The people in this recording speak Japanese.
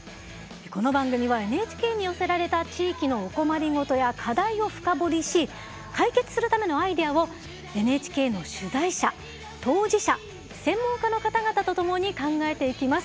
この番組はＮＨＫに寄せられた地域のお困り事や課題を深掘りし解決するためのアイデアをＮＨＫの取材者当事者専門家の方々と共に考えていきます。